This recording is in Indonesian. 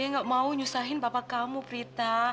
budi gak mau nyusahin papa kamu prita